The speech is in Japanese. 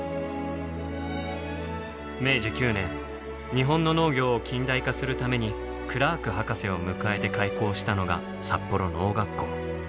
明治９年日本の農業を近代化するためにクラーク博士を迎えて開校したのが札幌農学校。